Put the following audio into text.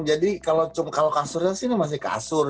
jadi kalau kasurnya sih ini masih kasur